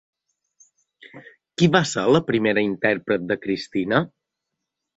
Qui va ser la primera intèrpret de Cristina?